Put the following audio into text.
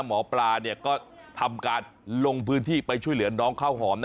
หมอปลาก็ทำการลงพื้นที่ไปช่วยเหลือน้องข้าวหอมนะ